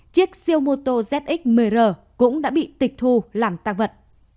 chiếc siêu mô tô zx một mươi r cũng đã bị tịch thu làm tăng vật